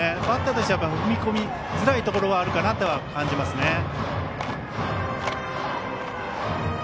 バッターとしては踏み込みづらいところはあるかなと感じますね。